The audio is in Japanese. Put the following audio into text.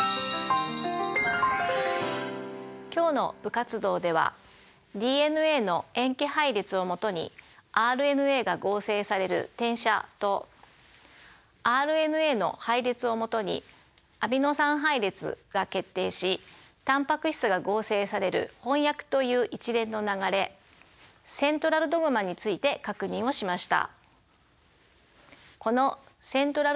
今日の部活動ではＤＮＡの塩基配列をもとにＲＮＡが合成される「転写」とＲＮＡの配列をもとにアミノ酸配列が決定しタンパク質が合成される「翻訳」という一連の流れ「セントラルドグマ」について確認をしました。